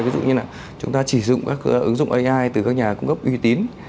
ví dụ như là chúng ta chỉ dùng các ứng dụng ai từ các nhà cung cấp uy tín